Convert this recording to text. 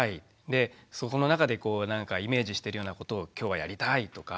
でそこの中でなんかイメージしてるようなことを今日はやりたいとか。